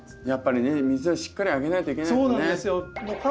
やっぱりね水はしっかりあげないといけないですね。